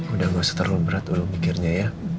udah gak usah terlalu berat dulu mikirnya ya